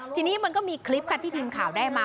ทีนี้มันก็มีคลิปค่ะที่ทีมข่าวได้มา